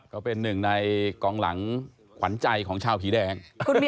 ก็เป็นหนึ่งในกองหลังขวัญใจของชาวผีแดง